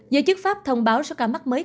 giới chức pháp thông báo số ca mắc mới